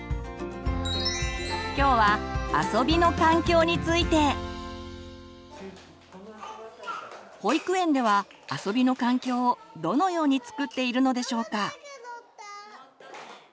今日は保育園では遊びの環境をどのように作っているのでしょうか。